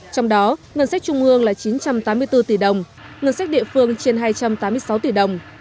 trong đó ngân sách trung ương là chín trăm tám mươi bốn tỷ đồng ngân sách địa phương trên hai trăm tám mươi sáu tỷ đồng